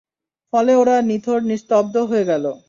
ফলে ওরা নিথর নিস্তব্ধ হয়ে গেল।